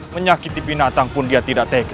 menyakiti binatang pun dia tidak tegak